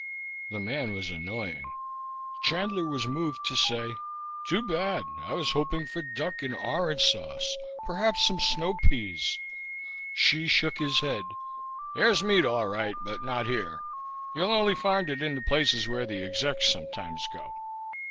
The man was annoying. Chandler was moved to say, "Too bad, I was hoping for duck in orange sauce, perhaps some snow peas " Hsi shook his head. "There's meat, all right, but not here. You'll only find it in the places where the execs sometimes go....